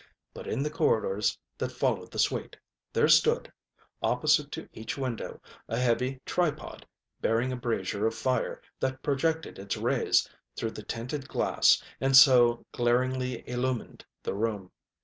But in the corridors that followed the suite, there stood, opposite to each window, a heavy tripod, bearing a brazier of fire that projected its rays through the tinted glass and so glaringly illumined the room.